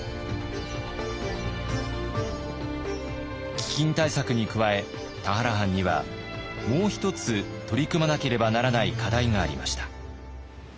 飢饉対策に加え田原藩にはもう一つ取り組まなければならない課題がありました。